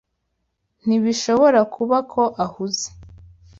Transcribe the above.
Ntibishobora kuba ko ahuze.